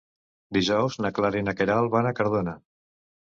Dijous na Clara i na Queralt van a Cardona.